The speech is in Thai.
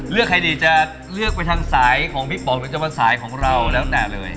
ใครดีจะเลือกไปทางสายของพี่ป๋องหรือจะมาสายของเราแล้วแต่เลย